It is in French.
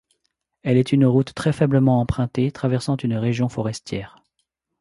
Elle est une route très faiblement empruntée, traversant une région forestière.